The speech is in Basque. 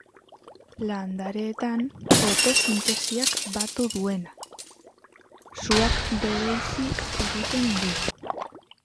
Landareetan fotosintesiak batu duena, suak bereizi egiten du.